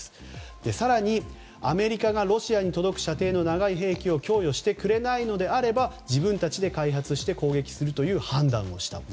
更に、アメリカがロシアに届く射程の長い兵器を供与してくれないのであれば自分たちで開発して攻撃するという判断をしたと。